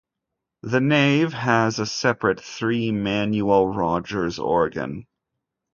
The nave has a separate three-manual Rodgers organ.